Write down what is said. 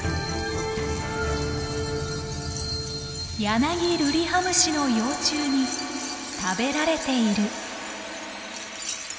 「ヤナギルリハムシの幼虫に食べられている」。